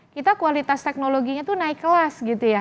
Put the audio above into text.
kita kualitas teknologinya itu naik kelas gitu ya